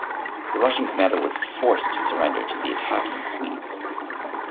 The Russian commander was forced to surrender to the attacking Swedes.